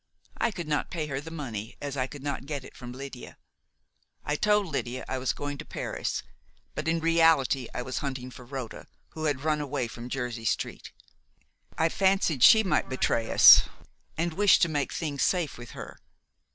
I could not pay her the money, as I could not get it from Lydia. I told Lydia I was going to Paris, but in reality I was hunting for Rhoda, who had run away from Jersey Street. I fancied she might betray us, and wished to make things safe with her.